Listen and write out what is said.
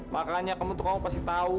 makanya kamu tuh pasti tau